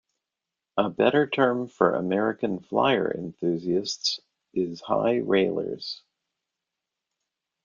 A better term for American Flyer enthusiasts is Highrailers.